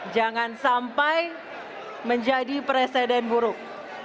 jangan sampai menjadi presiden buruk